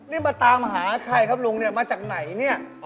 นี่มาตามหาใครครับลุงเนี่ยมาจากไหนเนี่ย